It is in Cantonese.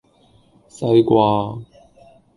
西瓜